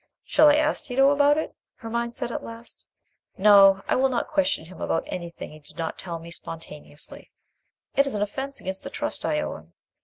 Shall I ask Tito about it?" Her mind said at last, "No: I will not question him about anything he did not tell me spontaneously. It is an offence against the trust I owe him."